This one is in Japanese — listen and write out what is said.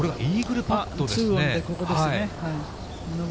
２オンでここですね。